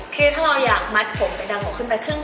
ถ้าเราอยากมัดผงเป็นดังหรอครึ่งจนถึงท่อง